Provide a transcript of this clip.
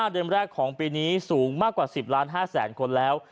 เดือนแรกของปีนี้สูงมากกว่า๑๐ล้าน๕แสนคนแล้ว